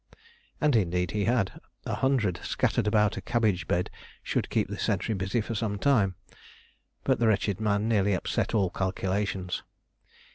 And indeed he had: a hundred scattered about a cabbage bed should keep the sentry busy for some time. But the wretched man nearly upset all calculations.